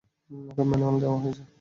এখানে ম্যানুয়ালে দেওয়া আছে।